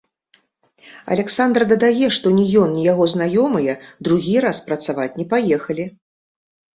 Аляксандр дадае, што ні ён, ні яго знаёмыя другі раз працаваць не паехалі.